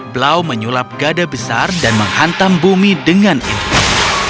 blau menyulap gada besar dan menghantam bumi dengan indah